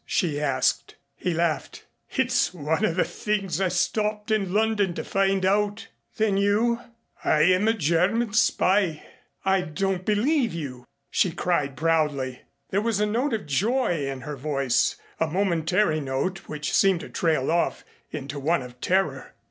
she asked. He laughed. "It's one of the things I stopped in London to find out." "Then you " "I am a German spy." "I don't believe you," she cried proudly. There was a note of joy in her voice, a momentary note which seemed to trail off into one of terror.